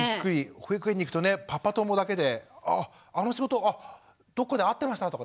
保育園に行くとねパパ友だけでああの仕事あっどっかで会ってました？とかね。